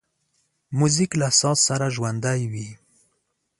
موزیک له ساز سره ژوندی وي.